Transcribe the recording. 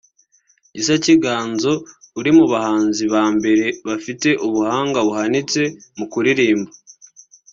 Gisa cy’Inganzo uri mu bahanzi ba mbere bafite ubuhanga buhanitse mu kuririmba